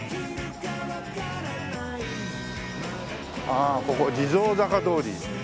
ああここ「地蔵坂通り」。